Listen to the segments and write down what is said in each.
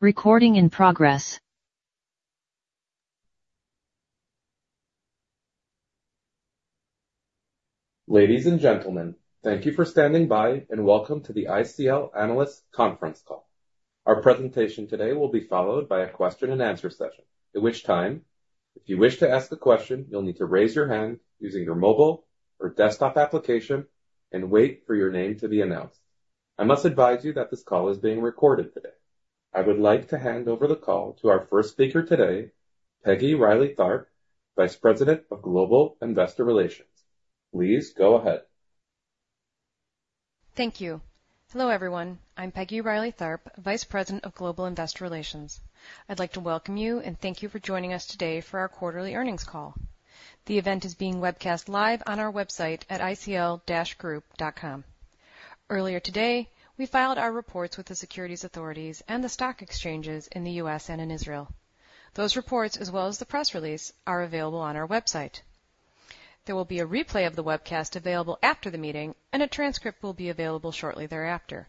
Ladies and gentlemen, thank you for standing by, and welcome to the ICL Analyst Conference Call. Our presentation today will be followed by a question and answer session, at which time, if you wish to ask a question, you'll need to raise your hand using your mobile or desktop application and wait for your name to be announced. I must advise you that this call is being recorded today. I would like to hand over the call to our first speaker today, Peggy Reilly Tharp, Vice President of Global Investor Relations. Please go ahead. Thank you. Hello, everyone. I'm Peggy Reilly Tharp, Vice President of Global Investor Relations. I'd like to welcome you and thank you for joining us today for our quarterly earnings call. The event is being webcast live on our website at icl-group.com. Earlier today, we filed our reports with the securities authorities and the stock exchanges in the U.S. and in Israel. Those reports, as well as the press release, are available on our website. There will be a replay of the webcast available after the meeting, and a transcript will be available shortly thereafter.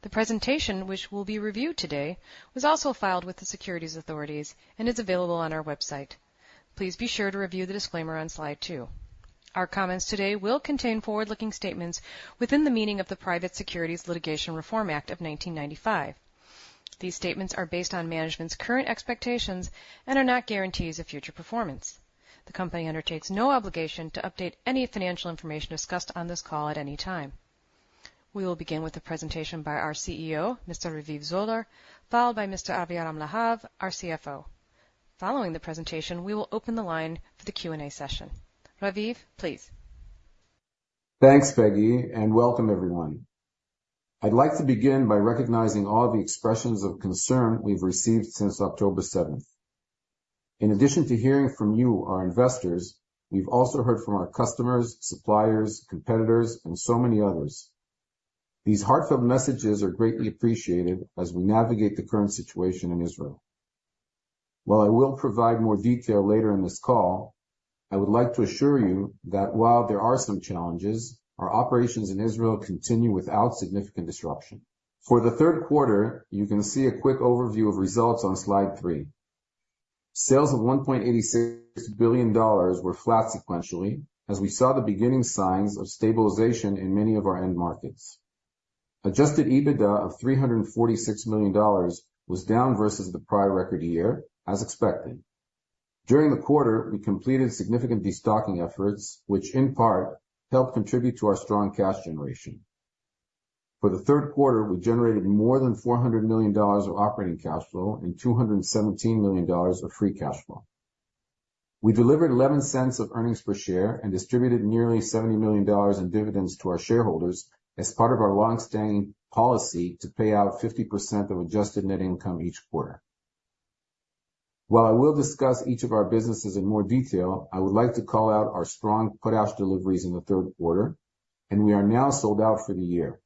The presentation, which will be reviewed today, was also filed with the securities authorities and is available on our website. Please be sure to review the disclaimer on slide two. Our comments today will contain forward-looking statements within the meaning of the Private Securities Litigation Reform Act of 1995. These statements are based on management's current expectations and are not guarantees of future performance. The company undertakes no obligation to update any financial information discussed on this call at any time. We will begin with a presentation by our CEO, Mr. Raviv Zoller, followed by Mr. Aviram Lahav, our CFO. Following the presentation, we will open the line for the Q&A session. Raviv, please. Thanks, Peggy, and welcome, everyone. I'd like to begin by recognizing all the expressions of concern we've received since October seventh. In addition to hearing from you, our investors, we've also heard from our customers, suppliers, competitors, and so many others. These heartfelt messages are greatly appreciated as we navigate the current situation in Israel. While I will provide more detail later in this call, I would like to assure you that while there are some challenges, our operations in Israel continue without significant disruption. For the third quarter, you can see a quick overview of results on slide 3. Sales of $1.86 billion were flat sequentially, as we saw the beginning signs of stabilization in many of our end markets. Adjusted EBITDA of $346 million was down versus the prior record year, as expected. During the quarter, we completed significant destocking efforts, which in part helped contribute to our strong cash generation. For the third quarter, we generated more than $400 million of operating cash flow and $217 million of free cash flow. We delivered $0.11 of earnings per share and distributed nearly $70 million in dividends to our shareholders as part of our long-standing policy to pay out 50% of adjusted net income each quarter. While I will discuss each of our businesses in more detail, I would like to call out our strong potash deliveries in the third quarter, and we are now sold out for the year.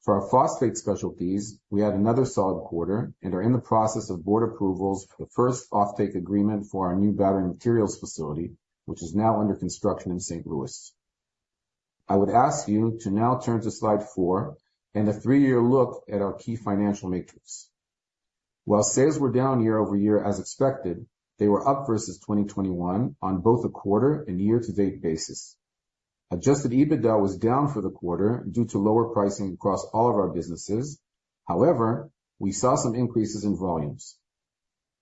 For our phosphate specialties, we had another solid quarter and are in the process of board approvals for the first offtake agreement for our new battery materials facility, which is now under construction in St. Louis. I would ask you to now turn to slide 4 and a 3-year look at our key financial matrix. While sales were down year-over-year as expected, they were up versus 2021 on both a quarter and year-to-date basis. Adjusted EBITDA was down for the quarter due to lower pricing across all of our businesses. However, we saw some increases in volumes.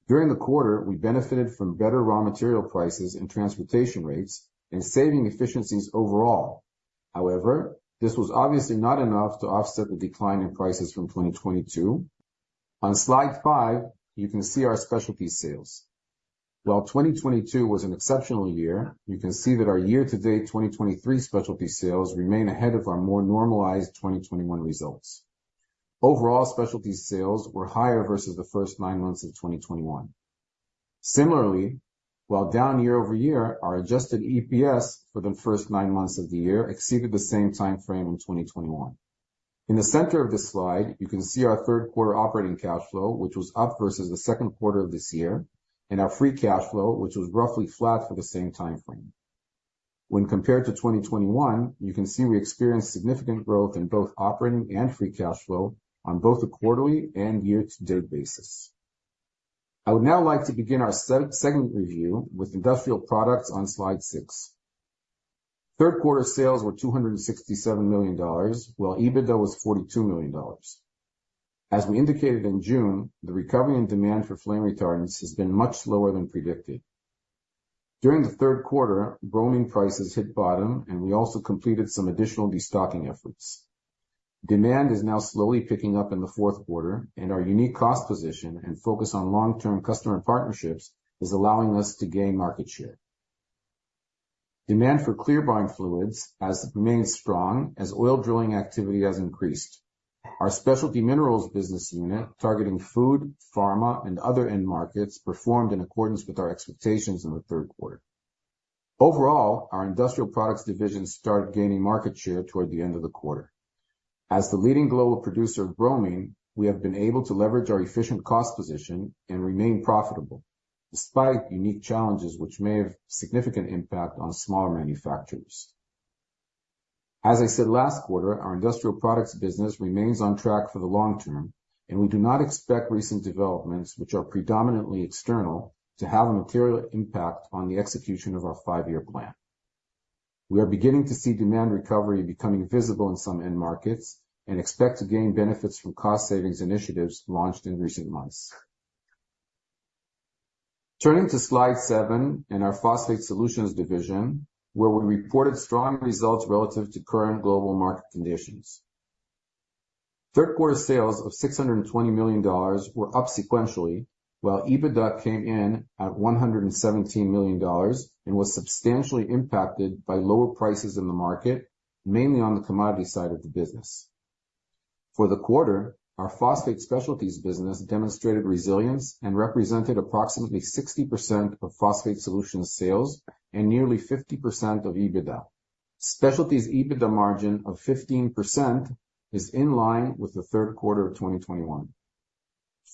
During the quarter, we benefited from better raw material prices and transportation rates and saving efficiencies overall. However, this was obviously not enough to offset the decline in prices from 2022. On slide 5, you can see our specialty sales. While 2022 was an exceptional year, you can see that our year-to-date 2023 specialty sales remain ahead of our more normalized 2021 results. Overall, specialty sales were higher versus the first 9 months of 2021. Similarly, while down year-over-year, our adjusted EPS for the first 9 months of the year exceeded the same time frame in 2021. In the center of this slide, you can see our third quarter operating cash flow, which was up versus the second quarter of this year, and our free cash flow, which was roughly flat for the same time frame. When compared to 2021, you can see we experienced significant growth in both operating and free cash flow on both a quarterly and year-to-date basis. I would now like to begin our second review with Industrial Products on slide 6. Third quarter sales were $267 million, while EBITDA was $42 million. As we indicated in June, the recovery in demand for flame retardants has been much lower than predicted. During the third quarter, bromine prices hit bottom, and we also completed some additional destocking efforts. Demand is now slowly picking up in the fourth quarter, and our unique cost position and focus on long-term customer partnerships is allowing us to gain market share. Demand for clear brine fluids has remained strong as oil drilling activity has increased. Our specialty minerals business unit, targeting food, pharma, and other end markets, performed in accordance with our expectations in the third quarter. Overall, our Industrial Products Division started gaining market share toward the end of the quarter. As the leading global producer of bromine, we have been able to leverage our efficient cost position and remain profitable. Despite unique challenges which may have significant impact on smaller manufacturers. As I said last quarter, our Industrial Products business remains on track for the long term, and we do not expect recent developments, which are predominantly external, to have a material impact on the execution of our 5-year plan. We are beginning to see demand recovery becoming visible in some end markets and expect to gain benefits from cost savings initiatives launched in recent months. Turning to Slide 7 in our Phosphate Solutions division, where we reported strong results relative to current global market conditions. Third quarter sales of $620 million were up sequentially, while EBITDA came in at $117 million and was substantially impacted by lower prices in the market, mainly on the commodity side of the business. For the quarter, our phosphate specialties business demonstrated resilience and represented approximately 60% of phosphate solutions sales and nearly 50% of EBITDA. Specialties EBITDA margin of 15% is in line with the third quarter of 2021.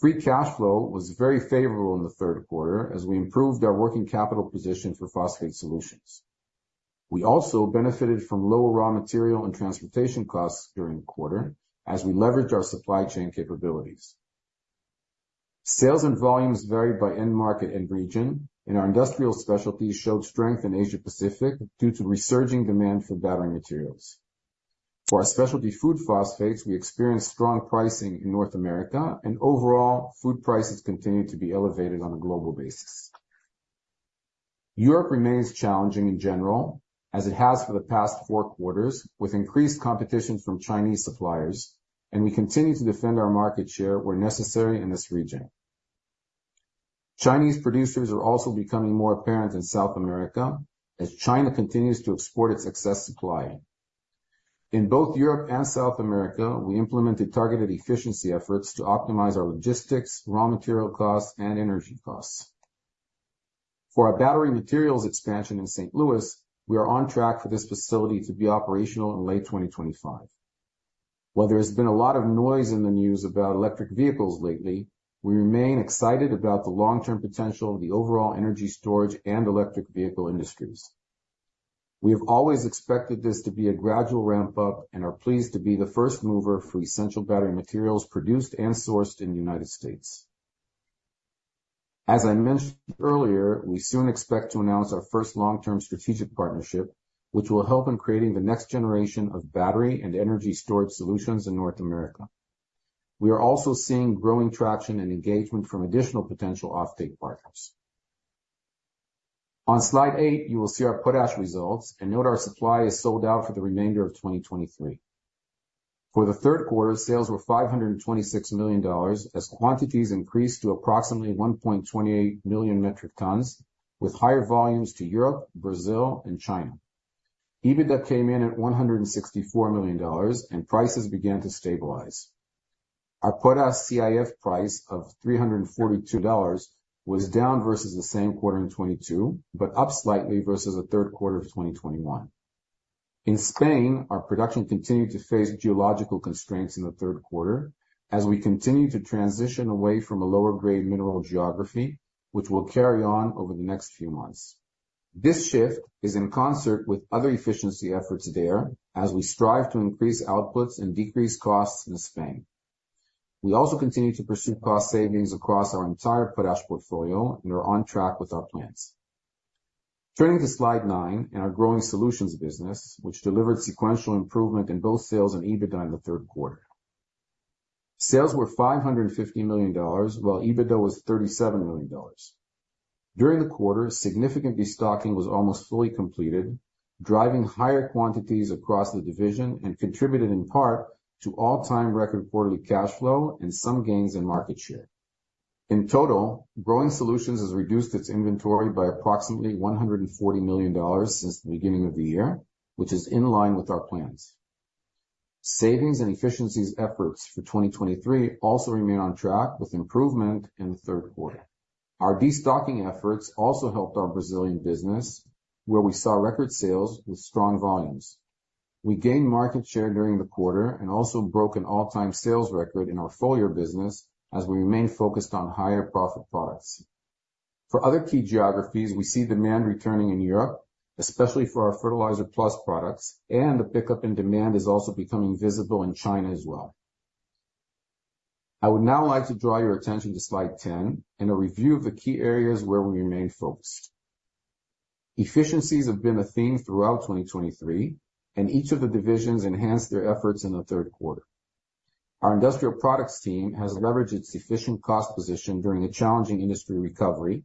Free cash flow was very favorable in the third quarter as we improved our working capital position for phosphate solutions. We also benefited from lower raw material and transportation costs during the quarter as we leveraged our supply chain capabilities. Sales and volumes varied by end market and region, and our Industrial Specialties showed strength in Asia Pacific due to resurging demand for battery materials. For our specialty food phosphates, we experienced strong pricing in North America, and overall, food prices continued to be elevated on a global basis. Europe remains challenging in general, as it has for the past four quarters, with increased competition from Chinese suppliers, and we continue to defend our market share where necessary in this region. Chinese producers are also becoming more apparent in South America as China continues to export its excess supply. In both Europe and South America, we implemented targeted efficiency efforts to optimize our logistics, raw material costs, and energy costs. For our battery materials expansion in St. Louis, we are on track for this facility to be operational in late 2025. While there has been a lot of noise in the news about electric vehicles lately, we remain excited about the long-term potential of the overall energy storage and electric vehicle industries. We have always expected this to be a gradual ramp-up and are pleased to be the first mover for essential battery materials produced and sourced in the United States. As I mentioned earlier, we soon expect to announce our first long-term strategic partnership, which will help in creating the next generation of battery and energy storage solutions in North America. We are also seeing growing traction and engagement from additional potential offtake partners. On Slide 8, you will see our potash results and note our supply is sold out for the remainder of 2023. For the third quarter, sales were $526 million, as quantities increased to approximately 1.28 million metric tons, with higher volumes to Europe, Brazil, and China. EBITDA came in at $164 million, and prices began to stabilize. Our potash CIF price of $342 was down versus the same quarter in 2022, but up slightly versus the third quarter of 2021. In Spain, our production continued to face geological constraints in the third quarter as we continue to transition away from a lower-grade mineral geography, which will carry on over the next few months. This shift is in concert with other efficiency efforts there as we strive to increase outputs and decrease costs in Spain. We also continue to pursue cost savings across our entire potash portfolio and are on track with our plans. Turning to Slide 9, in our Growing Solutions business, which delivered sequential improvement in both sales and EBITDA in the third quarter. Sales were $550 million, while EBITDA was $37 million. During the quarter, significant destocking was almost fully completed, driving higher quantities across the division and contributed in part to all-time record quarterly cash flow and some gains in market share. In total, Growing Solutions has reduced its inventory by approximately $140 million since the beginning of the year, which is in line with our plans. Savings and efficiencies efforts for 2023 also remain on track with improvement in the third quarter. Our destocking efforts also helped our Brazilian business, where we saw record sales with strong volumes. We gained market share during the quarter and also broke an all-time sales record in our foliar business as we remain focused on higher profit products. For other key geographies, we see demand returning in Europe, especially for our Fertilizer Plus products, and the pickup in demand is also becoming visible in China as well. I would now like to draw your attention to Slide 10 and a review of the key areas where we remain focused. Efficiencies have been a theme throughout 2023, and each of the divisions enhanced their efforts in the third quarter. Our Industrial Products team has leveraged its efficient cost position during a challenging industry recovery,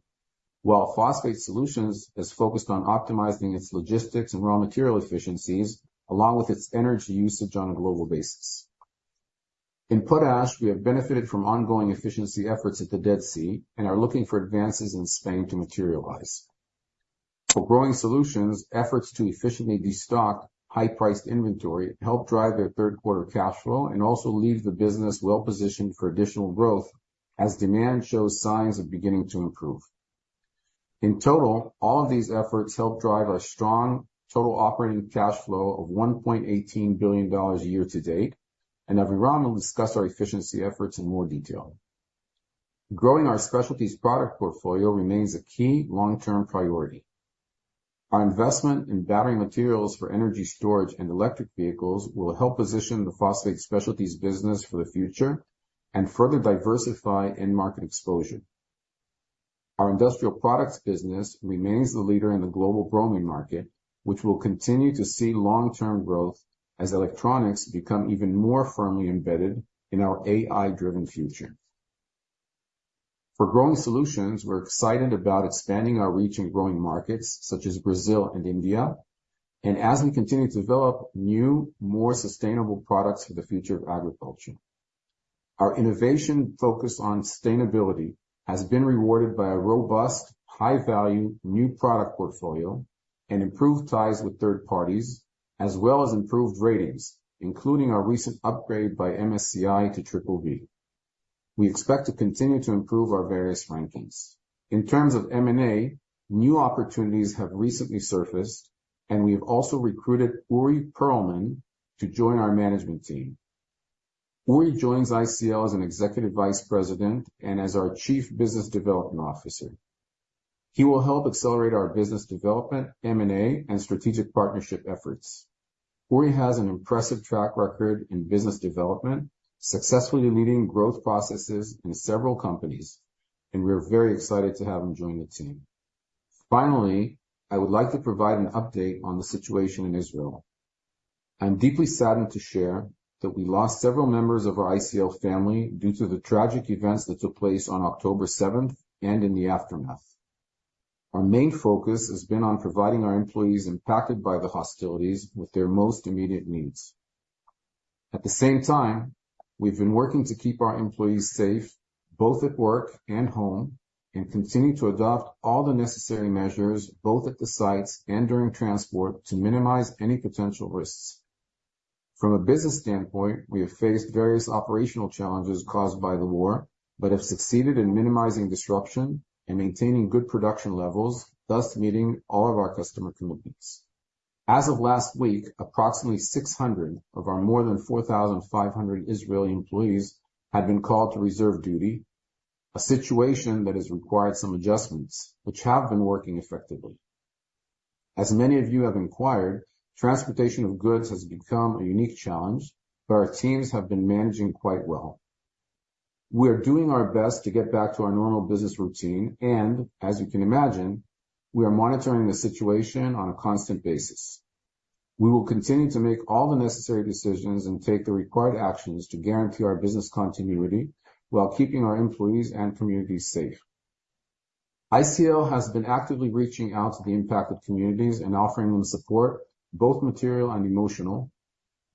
while Phosphate Solutions is focused on optimizing its logistics and raw material efficiencies, along with its energy usage on a global basis. In Potash, we have benefited from ongoing efficiency efforts at the Dead Sea and are looking for advances in Spain to materialize. For Growing Solutions, efforts to efficiently destock high-priced inventory helped drive their third quarter cash flow and also leave the business well positioned for additional growth as demand shows signs of beginning to improve. In total, all of these efforts help drive our strong total operating cash flow of $1.18 billion a year to date, and Aviram will discuss our efficiency efforts in more detail. Growing our specialties product portfolio remains a key long-term priority. Our investment in battery materials for energy storage and electric vehicles will help position the phosphate specialties business for the future and further diversify end market exposure. Our industrial products business remains the leader in the global bromine market, which will continue to see long-term growth as electronics become even more firmly embedded in our AI-driven future. For Growing Solutions, we're excited about expanding our reach in growing markets such as Brazil and India, and as we continue to develop new, more sustainable products for the future of agriculture. Our innovation focus on sustainability has been rewarded by a robust, high-value, new product portfolio and improved ties with third parties, as well as improved ratings, including our recent upgrade by MSCI to triple B. We expect to continue to improve our various rankings. In terms of M&A, new opportunities have recently surfaced, and we have also recruited Uri Perelman to join our management team. Uri joins ICL as an Executive Vice President and as our Chief Business Development Officer. He will help accelerate our business development, M&A, and strategic partnership efforts. Uri has an impressive track record in business development, successfully leading growth processes in several companies, and we are very excited to have him join the team. Finally, I would like to provide an update on the situation in Israel. I'm deeply saddened to share that we lost several members of our ICL family due to the tragic events that took place on October seventh and in the aftermath. Our main focus has been on providing our employees impacted by the hostilities with their most immediate needs. At the same time, we've been working to keep our employees safe, both at work and home, and continuing to adopt all the necessary measures, both at the sites and during transport, to minimize any potential risks. From a business standpoint, we have faced various operational challenges caused by the war, but have succeeded in minimizing disruption and maintaining good production levels, thus meeting all of our customer commitments. As of last week, approximately 600 of our more than 4,500 Israeli employees had been called to reserve duty, a situation that has required some adjustments which have been working effectively. As many of you have inquired, transportation of goods has become a unique challenge, but our teams have been managing quite well. We are doing our best to get back to our normal business routine, and as you can imagine, we are monitoring the situation on a constant basis. We will continue to make all the necessary decisions and take the required actions to guarantee our business continuity while keeping our employees and communities safe. ICL has been actively reaching out to the impacted communities and offering them support, both material and emotional,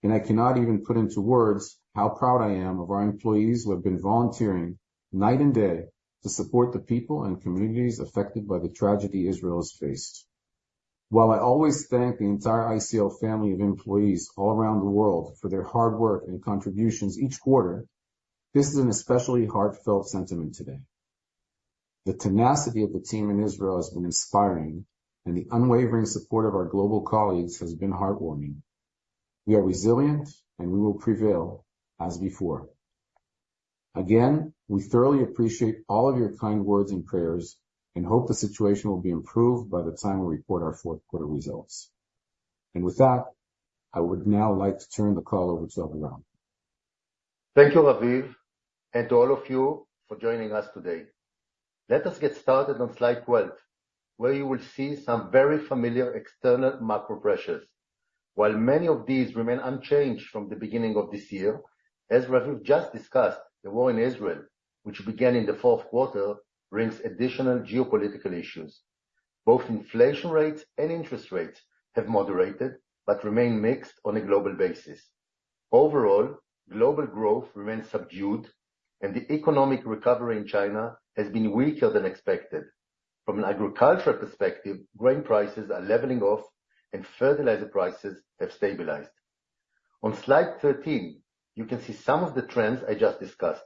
and I cannot even put into words how proud I am of our employees who have been volunteering night and day to support the people and communities affected by the tragedy Israel has faced. While I always thank the entire ICL family of employees all around the world for their hard work and contributions each quarter, this is an especially heartfelt sentiment today. The tenacity of the team in Israel has been inspiring, and the unwavering support of our global colleagues has been heartwarming. We are resilient, and we will prevail as before. Again, we thoroughly appreciate all of your kind words and prayers, and hope the situation will be improved by the time we report our fourth quarter results. With that, I would now like to turn the call over to Aviram. Thank you, Raviv, and to all of you for joining us today. Let us get started on slide 12, where you will see some very familiar external macro pressures. While many of these remain unchanged from the beginning of this year, as Raviv just discussed, the war in Israel, which began in the fourth quarter, brings additional geopolitical issues. Both inflation rates and interest rates have moderated, but remain mixed on a global basis. Overall, global growth remains subdued, and the economic recovery in China has been weaker than expected. From an agricultural perspective, grain prices are leveling off and fertilizer prices have stabilized. On slide 13, you can see some of the trends I just discussed.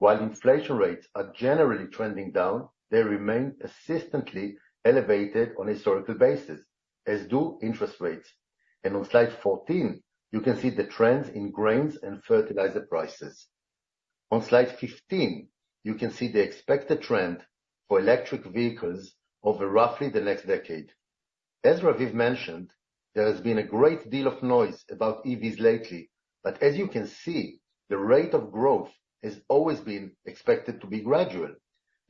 While inflation rates are generally trending down, they remain persistently elevated on a historical basis, as do interest rates. On slide 14, you can see the trends in grains and fertilizer prices. On slide 15, you can see the expected trend for electric vehicles over roughly the next decade. As Raviv mentioned, there has been a great deal of noise about EVs lately, but as you can see, the rate of growth has always been expected to be gradual.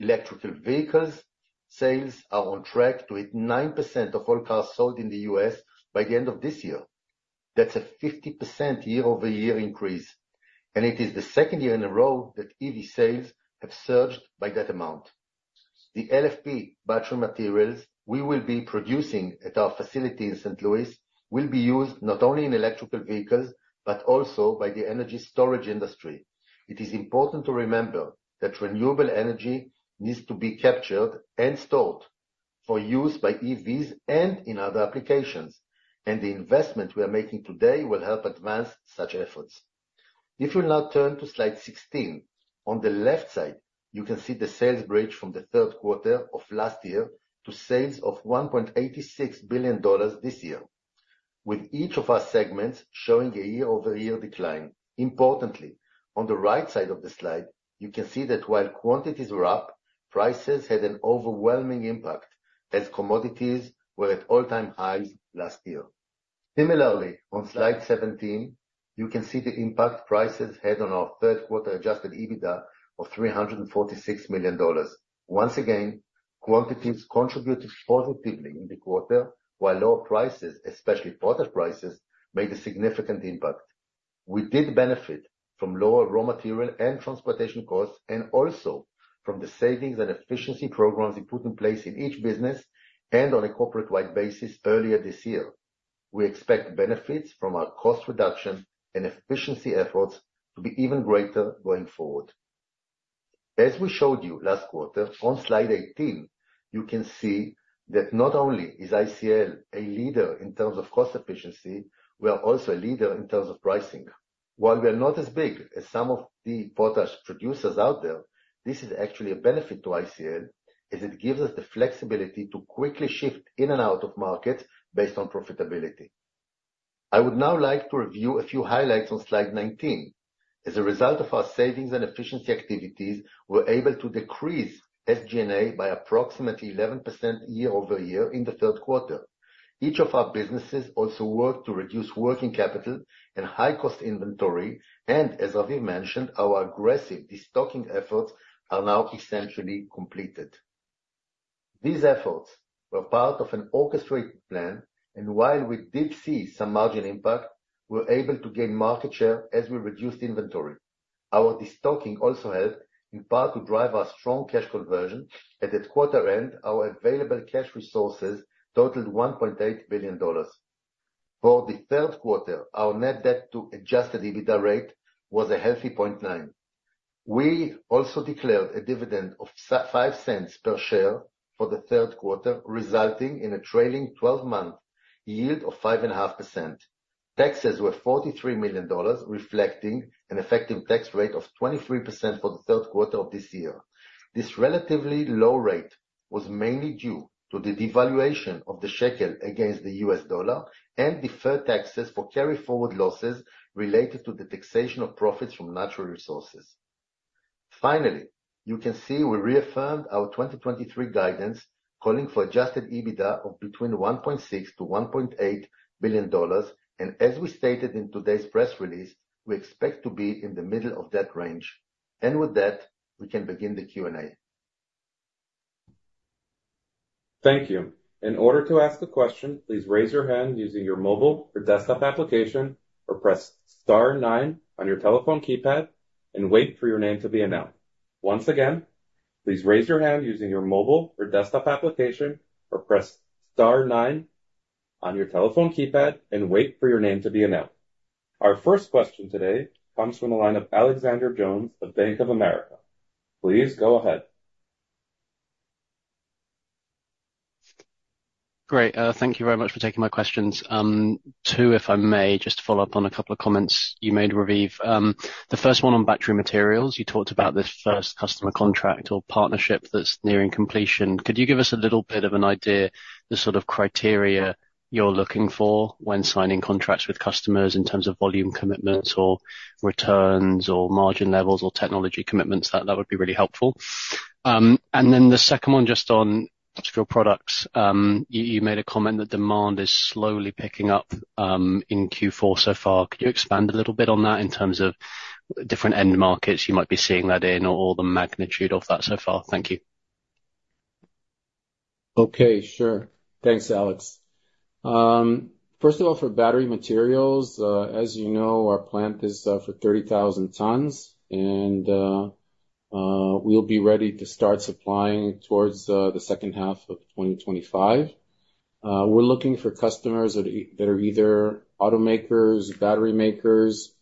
Electric vehicles sales are on track to hit 9% of all cars sold in the U.S. by the end of this year. That's a 50% year-over-year increase, and it is the second year in a row that EV sales have surged by that amount. The LFP battery materials we will be producing at our facility in St. Louis will be used not only in electric vehicles, but also by the energy storage industry. It is important to remember that renewable energy needs to be captured and stored for use by EVs and in other applications, and the investment we are making today will help advance such efforts.... If you'll now turn to slide 16. On the left side, you can see the sales bridge from the third quarter of last year to sales of $1.86 billion this year, with each of our segments showing a year-over-year decline. Importantly, on the right side of the slide, you can see that while quantities were up, prices had an overwhelming impact, as commodities were at all-time highs last year. Similarly, on slide 17, you can see the impact prices had on our third quarter Adjusted EBITDA of $346 million. Once again, quantities contributed positively in the quarter, while lower prices, especially potash prices, made a significant impact. We did benefit from lower raw material and transportation costs, and also from the savings and efficiency programs we put in place in each business and on a corporate-wide basis earlier this year. We expect benefits from our cost reduction and efficiency efforts to be even greater going forward. As we showed you last quarter, on slide 18, you can see that not only is ICL a leader in terms of cost efficiency, we are also a leader in terms of pricing. While we are not as big as some of the potash producers out there, this is actually a benefit to ICL, as it gives us the flexibility to quickly shift in and out of markets based on profitability. I would now like to review a few highlights on slide 19. As a result of our savings and efficiency activities, we're able to decrease SG&A by approximately 11% year-over-year in the third quarter. Each of our businesses also worked to reduce working capital and high-cost inventory, and as Raviv mentioned, our aggressive destocking efforts are now essentially completed. These efforts were part of an orchestrated plan, and while we did see some margin impact, we were able to gain market share as we reduced inventory. Our destocking also helped in part to drive our strong cash conversion. At the quarter end, our available cash resources totaled $1.8 billion. For the third quarter, our net debt to adjusted EBITDA rate was a healthy 0.9. We also declared a dividend of seventy-five cents per share for the third quarter, resulting in a trailing twelve-month yield of 5.5%. Taxes were $43 million, reflecting an effective tax rate of 23% for the third quarter of this year. This relatively low rate was mainly due to the devaluation of the shekel against the U.S. dollar and deferred taxes for carryforward losses related to the taxation of profits from natural resources. Finally, you can see we reaffirmed our 2023 guidance, calling for adjusted EBITDA of between $1.6 billion-$1.8 billion, and as we stated in today's press release, we expect to be in the middle of that range. With that, we can begin the Q&A. Thank you. In order to ask a question, please raise your hand using your mobile or desktop application, or press star nine on your telephone keypad and wait for your name to be announced. Once again, please raise your hand using your mobile or desktop application, or press star nine on your telephone keypad and wait for your name to be announced. Our first question today comes from the line of Alexander Jones of Bank of America. Please go ahead. Great. Thank you very much for taking my questions. Two, if I may, just to follow up on a couple of comments you made, Raviv. The first one on battery materials. You talked about this first customer contract or partnership that's nearing completion. Could you give us a little bit of an idea, the sort of criteria you're looking for when signing contracts with customers in terms of volume commitments or returns or margin levels or technology commitments? That would be really helpful. And then the second one, just on industrial products. You made a comment that demand is slowly picking up in Q4 so far. Could you expand a little bit on that in terms of different end markets you might be seeing that in, or the magnitude of that so far? Thank you. Okay, sure. Thanks, Alex. First of all, for battery materials, as you know, our plant is for 30,000 tons, and we'll be ready to start supplying towards the second half of 2025. We're looking for customers that are either automakers, battery makers,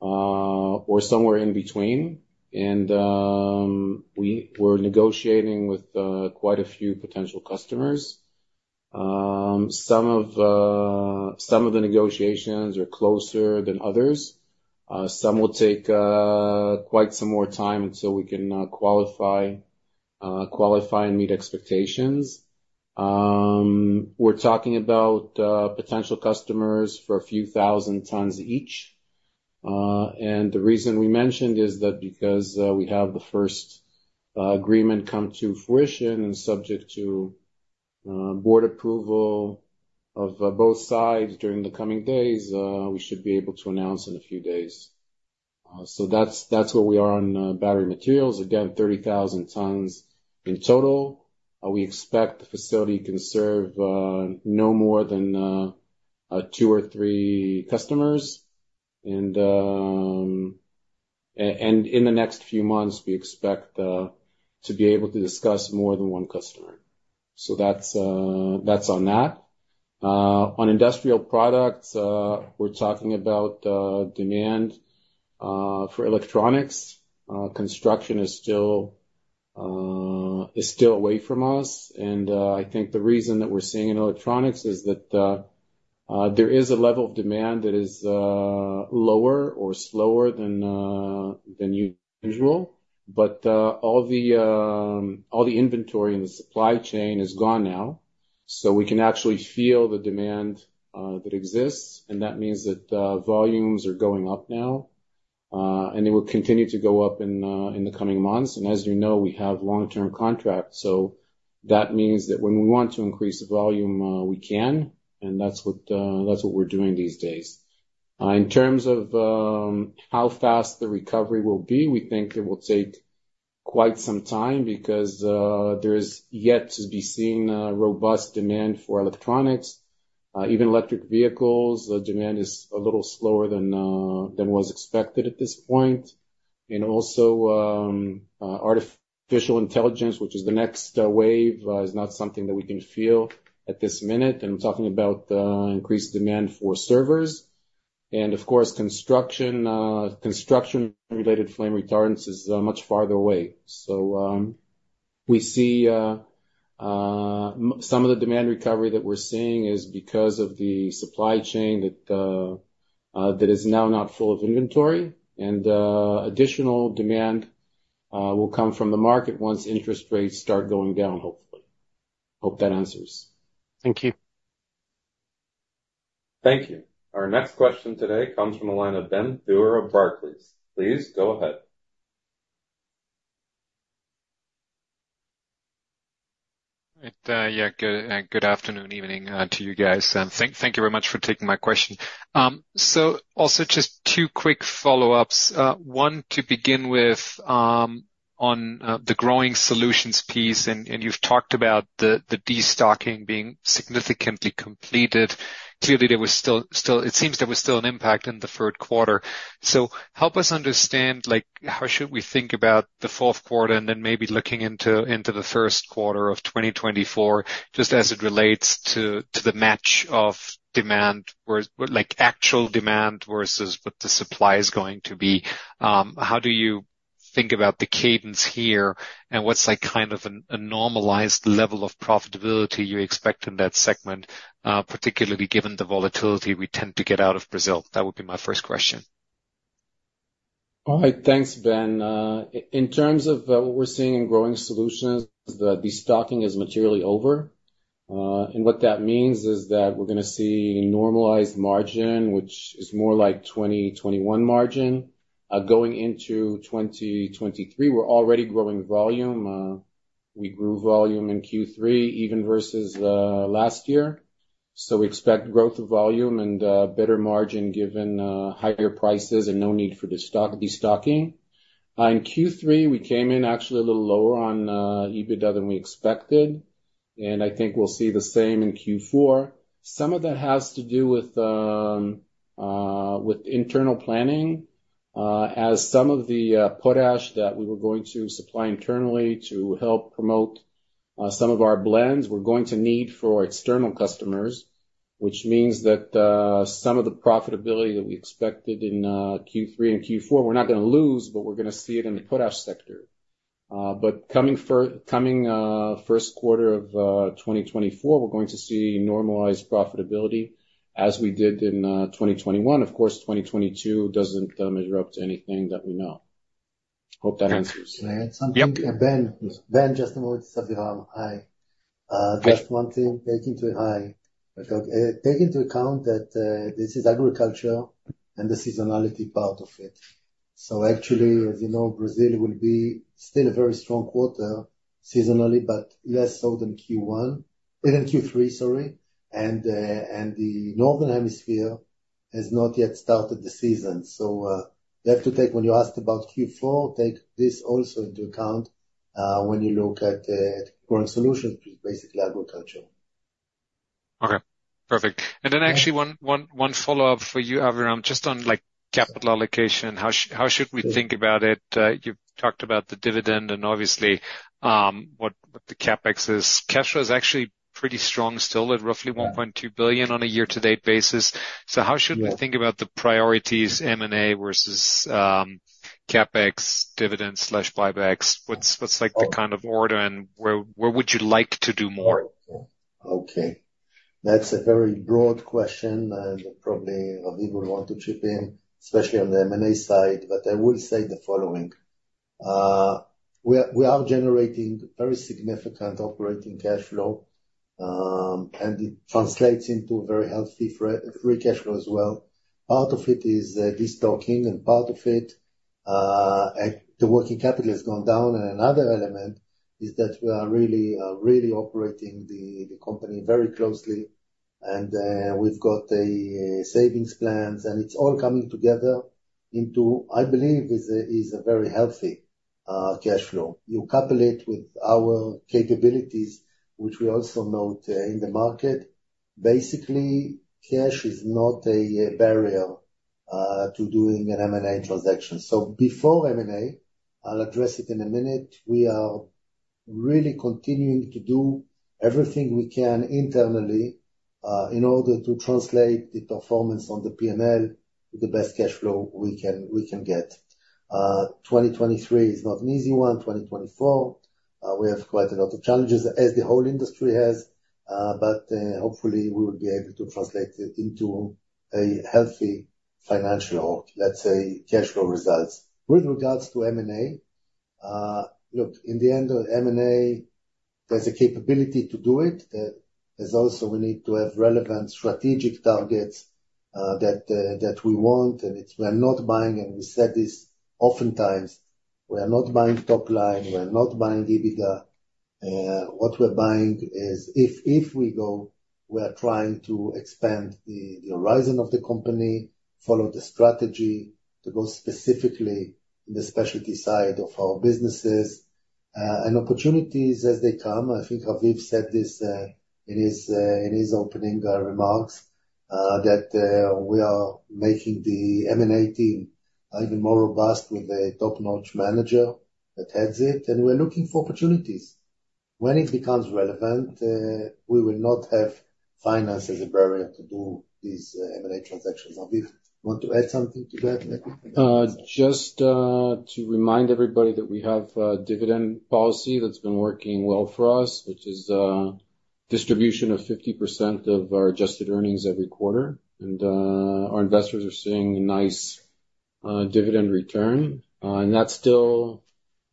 or somewhere in between, and we're negotiating with quite a few potential customers. Some of the negotiations are closer than others. Some will take quite some more time until we can qualify and meet expectations. We're talking about potential customers for a few thousand tons each. And the reason we mentioned is that because we have the first agreement come to fruition, and subject to board approval of both sides during the coming days, we should be able to announce in a few days. So that's where we are on battery materials. Again, 30,000 tons in total. We expect the facility can serve no more than two or three customers, and in the next few months, we expect to be able to discuss more than one customer. So that's on that. On Industrial Products, we're talking about demand for electronics. Construction is still-... is still away from us, and I think the reason that we're seeing in electronics is that there is a level of demand that is lower or slower than usual. But all the inventory in the supply chain is gone now, so we can actually feel the demand that exists, and that means that volumes are going up now. And they will continue to go up in the coming months. And as you know, we have long-term contracts, so that means that when we want to increase the volume, we can, and that's what we're doing these days. In terms of how fast the recovery will be, we think it will take quite some time because there is yet to be seen robust demand for electronics, even electric vehicles. The demand is a little slower than was expected at this point. And also, artificial intelligence, which is the next wave, is not something that we can feel at this minute. I'm talking about increased demand for servers and of course, construction. Construction-related flame retardants is much farther away. So, we see some of the demand recovery that we're seeing is because of the supply chain that is now not full of inventory, and additional demand will come from the market once interest rates start going down, hopefully. Hope that answers. Thank you. Thank you. Our next question today comes from the line of Ben Theurer of Barclays. Please go ahead. Yeah, good afternoon, evening, to you guys, and thank you very much for taking my question. So also just two quick follow-ups. One, to begin with, on the Growing Solutions piece, and you've talked about the destocking being significantly completed. Clearly, it seems there was still an impact in the third quarter. So help us understand, like, how should we think about the fourth quarter, and then maybe looking into the first quarter of 2024, just as it relates to the match of demand, where like, actual demand versus what the supply is going to be. How do you think about the cadence here, and what's like, kind of a normalized level of profitability you expect in that segment, particularly given the volatility we tend to get out of Brazil? That would be my first question. All right. Thanks, Ben. In terms of what we're seeing in Growing Solutions, the destocking is materially over. And what that means is that we're going to see normalized margin, which is more like 2021 margin. Going into 2023, we're already growing volume. We grew volume in Q3 even versus last year. So we expect growth of volume and better margin given higher prices and no need for destocking. In Q3, we came in actually a little lower on EBITDA than we expected, and I think we'll see the same in Q4. Some of that has to do with internal planning, as some of the potash that we were going to supply internally to help promote some of our blends we're going to need for external customers. Which means that, some of the profitability that we expected in Q3 and Q4, we're not going to lose, but we're going to see it in the potash sector. But coming first quarter of 2024, we're going to see normalized profitability as we did in 2021. Of course, 2022 doesn't measure up to anything that we know. Hope that answers. Can I add something? Yep. Ben. Ben, just a moment, Aviram. Hi. Just one thing, take into account that this is agriculture and the seasonality part of it. So actually, as you know, Brazil will be still a very strong quarter seasonally, but less so than Q1, Q3, sorry, and the Northern Hemisphere has not yet started the season. So, you have to take, when you asked about Q4, take this also into account when you look at Growing Solutions, which is basically agriculture. Okay, perfect. And then actually, one, one, one follow-up for you, Aviram, just on, like, capital allocation. How—how should we think about it? You've talked about the dividend and obviously, what, what the CapEx is. Cash flow is actually pretty strong, still at roughly $1.2 billion on a year-to-date basis. So how should we think about the priorities, M&A versus, CapEx, dividends/buybacks? What's, what's like the kind of order and where, where would you like to do more? Okay. That's a very broad question, and probably Raviv will want to chip in, especially on the M&A side, but I will say the following: We are generating very significant operating cash flow, and it translates into a very healthy free cash flow as well. Part of it is destocking, and part of it, the working capital has gone down. Another element is that we are really operating the company very closely, and we've got a savings plans, and it's all coming together into, I believe, a very healthy cash flow. You couple it with our capabilities, which we also note in the market. Basically, cash is not a barrier to doing an M&A transaction. So before M&A, I'll address it in a minute, we are-... really continuing to do everything we can internally, in order to translate the performance on the PNL to the best cash flow we can, we can get. 2023 is not an easy one. 2024, we have quite a lot of challenges as the whole industry has, but, hopefully, we will be able to translate it into a healthy financial or let's say, cash flow results. With regards to M&A, look, in the end of M&A, there's a capability to do it. There's also a need to have relevant strategic targets, that, that we want, and it's we're not buying, and we said this oftentimes, we are not buying top line, we are not buying EBITDA. What we're buying is, if we go, we are trying to expand the horizon of the company, follow the strategy to go specifically in the specialty side of our businesses, and opportunities as they come. I think Raviv said this, in his opening remarks, that we are making the M&A team even more robust with a top-notch manager that heads it, and we're looking for opportunities. When it becomes relevant, we will not have finance as a barrier to do these M&A transactions. Raviv, want to add something to that maybe? Just to remind everybody that we have a dividend policy that's been working well for us, which is distribution of 50% of our adjusted earnings every quarter, and our investors are seeing a nice dividend return. And that still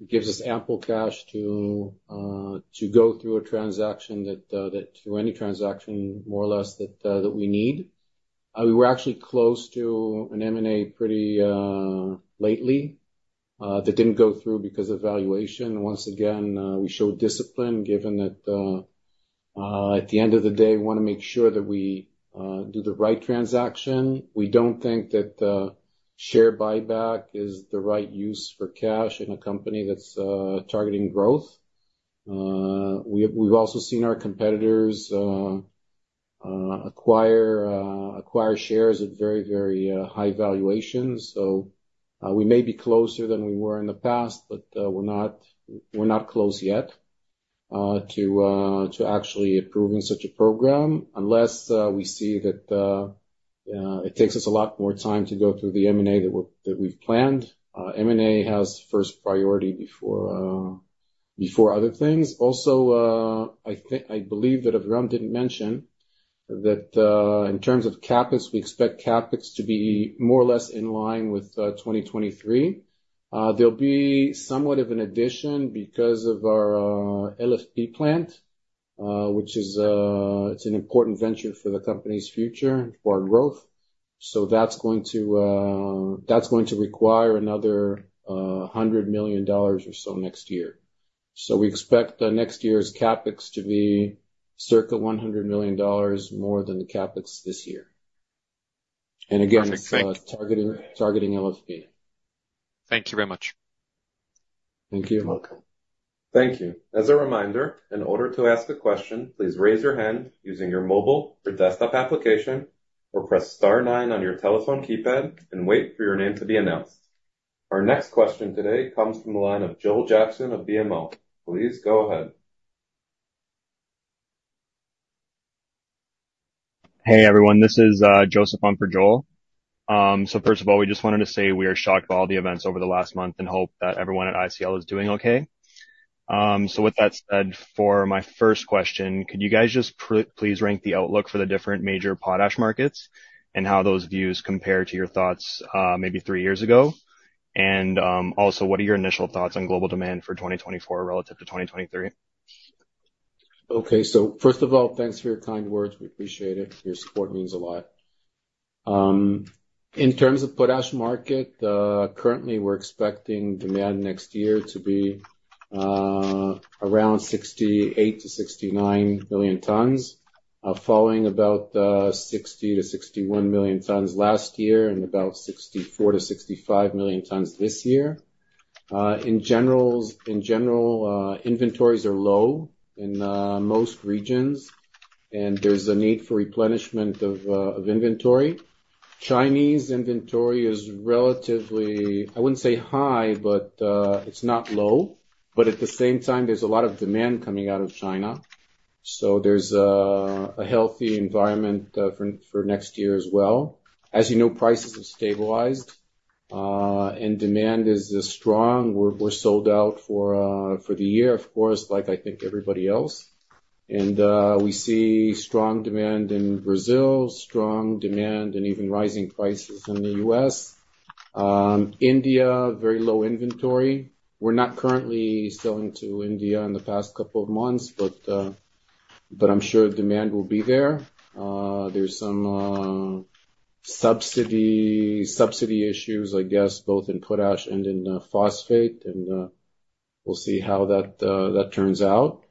gives us ample cash to go through a transaction that through any transaction, more or less, that we need. We were actually close to an M&A pretty lately that didn't go through because of valuation. Once again, we showed discipline, given that at the end of the day, we want to make sure that we do the right transaction. We don't think that share buyback is the right use for cash in a company that's targeting growth. We've also seen our competitors acquire shares at very high valuations. So, we may be closer than we were in the past, but we're not close yet to actually approving such a program unless we see that it takes us a lot more time to go through the M&A that we've planned. M&A has first priority before other things. Also, I think, I believe that Aviram didn't mention that in terms of CapEx, we expect CapEx to be more or less in line with 2023. There'll be somewhat of an addition because of our LFP plant, which is, it's an important venture for the company's future and for our growth. So that's going to require another $100 million or so next year. So we expect next year's CapEx to be circa $100 million more than the CapEx this year. And again- Perfect, thank- Targeting LFP. Thank you very much. Thank you. You're welcome. Thank you. As a reminder, in order to ask a question, please raise your hand using your mobile or desktop application, or press star nine on your telephone keypad and wait for your name to be announced. Our next question today comes from the line of Joel Jackson of BMO. Please go ahead. Hey, everyone, this is Joseph on for Joel. So first of all, we just wanted to say we are shocked by all the events over the last month and hope that everyone at ICL is doing okay. So with that said, for my first question, could you guys just please rank the outlook for the different major potash markets and how those views compare to your thoughts, maybe 3 years ago? And also, what are your initial thoughts on global demand for 2024 relative to 2023? Okay. So first of all, thanks for your kind words. We appreciate it. Your support means a lot. In terms of Potash market, currently, we're expecting demand next year to be around 68-69 million tons, following about 60-61 million tons last year and about 64-65 million tons this year. In general, inventories are low in most regions, and there's a need for replenishment of inventory. Chinese inventory is relatively, I wouldn't say high, but it's not low. But at the same time, there's a lot of demand coming out of China, so there's a healthy environment for next year as well. As you know, prices have stabilized, and demand is strong. We're sold out for the year, of course, like I think everybody else. We see strong demand in Brazil, strong demand and even rising prices in the U.S. India, very low inventory. We're not currently selling to India in the past couple of months, but I'm sure demand will be there. There's some subsidy issues, I guess, both in potash and in phosphate, and we'll see how that turns out.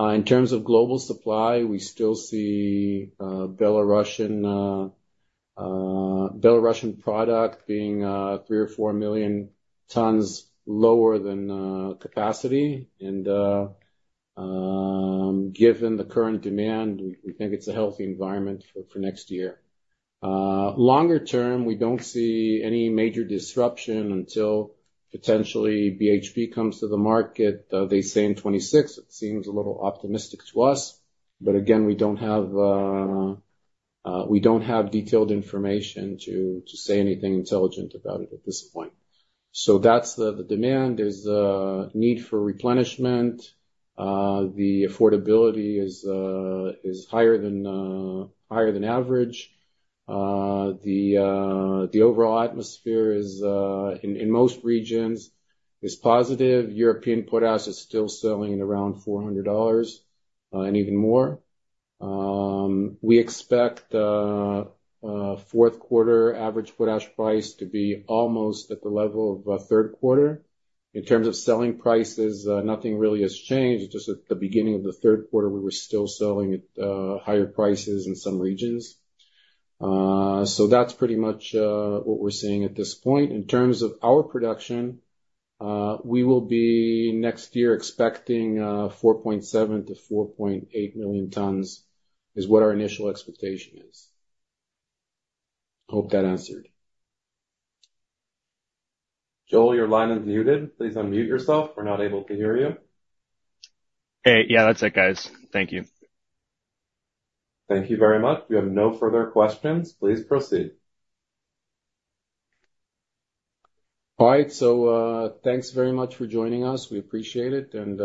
In terms of global supply, we still see Belarusian product being 3 or 4 million tons lower than capacity. Given the current demand, we think it's a healthy environment for next year. Longer term, we don't see any major disruption until potentially BHP comes to the market. They say in 2026, it seems a little optimistic to us, but again, we don't have detailed information to say anything intelligent about it at this point. So that's the demand. There's a need for replenishment, the affordability is higher than average. The overall atmosphere is, in most regions, positive. European potash is still selling at around $400, and even more. We expect a fourth quarter average potash price to be almost at the level of third quarter. In terms of selling prices, nothing really has changed, just at the beginning of the third quarter, we were still selling at higher prices in some regions. So that's pretty much what we're seeing at this point. In terms of our production, we will be next year expecting 4.7-4.8 million tons, is what our initial expectation is. I hope that answered. Joel, your line is muted. Please unmute yourself. We're not able to hear you. Hey, yeah, that's it, guys. Thank you. Thank you very much. We have no further questions. Please proceed. All right. Thanks very much for joining us. We appreciate it, and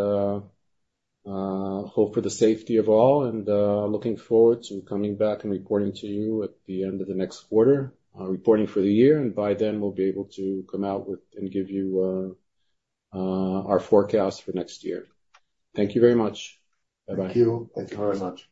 hope for the safety of all, and looking forward to coming back and reporting to you at the end of the next quarter, reporting for the year, and by then, we'll be able to come out with and give you our forecast for next year. Thank you very much. Bye-bye. Thank you. Thank you very much.